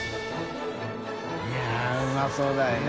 い筺うまそうだよね。